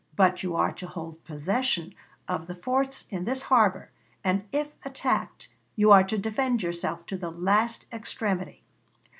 But you are to hold possession of the forts in this harbor, and if attacked you are to defend yourself to the last extremity.